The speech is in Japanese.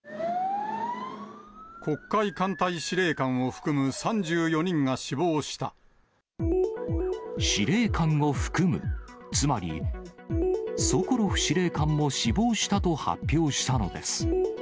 黒海艦隊司令官を含む３４人司令官を含む、つまり、ソコロフ司令官も死亡したと発表したのです。